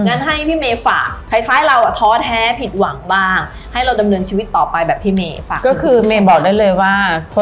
งั้นให้พี่เมฆฝากคล้ายคล้ายเราอะท้อแท้ผิดหวังบ้างให้เราดำเนินชีวิตต่อไปแบบพี่เมฆฝาก